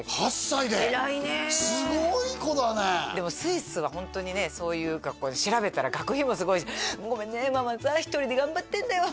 すごい子だね偉いねでもスイスはホントにねそういう学校って調べたら学費もすごいし「ごめんねママさ一人で頑張ってるんだよ」